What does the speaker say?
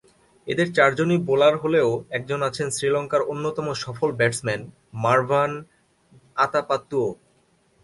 এদের চারজনই বোলার হলেও একজন আছেন শ্রীলঙ্কার অন্যতম সফল ব্যাটসম্যান মারভান আতাপাত্তুও।